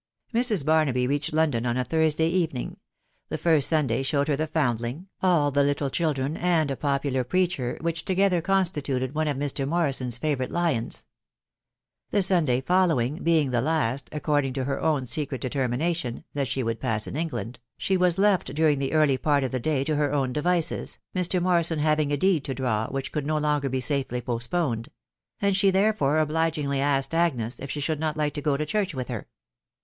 Mrs. Barnaby reached London on a Thursday evening; the first Sunday showed her the Foundling, all the little children, and a popular preacher, which together constituted one of Mr. Morrison's favourite lions. The Sunday following! being the last, according to her own secret determination, that the would pass in England, she was left during the early part of the day to her own devices, Mr. Morrison having a deed » draw, which could no longer be safely postponed ; and she therefore obligingly asked Agnes if she should not like to p to church with her.